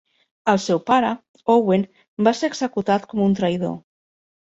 El seu pare, Owen, va ser executat com un traïdor.